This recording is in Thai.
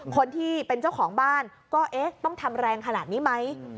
คนที่เป็นเจ้าของบ้านก็เอ๊ะต้องทำแรงขนาดนี้ไหม